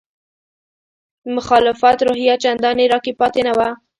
د مخالفت روحیه چندانې راکې پاتې نه وه.